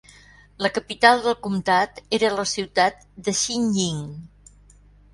La capital del comtat era la ciutat de Xinying.